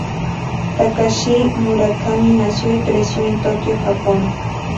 Takashi Murakami nació y creció en Tokio, Japón.